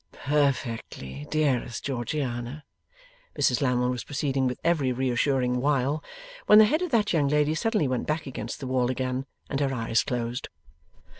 'Perfectly, dearest Georgiana!' Mrs Lammle was proceeding with every reassuring wile, when the head of that young lady suddenly went back against the wall again and her eyes closed.